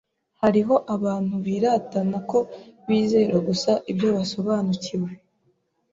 Hariho abantu biratana ko bizera gusa ibyo basobanukiwe,